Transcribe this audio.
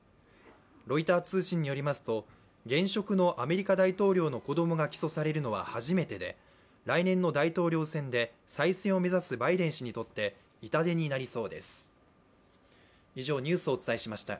ロイター通信によりますと現職のアメリカ大統領の子供が起訴されるのは初めてで来年の大統領選で再選を目指すバイデン氏にとって痛手になりそうです。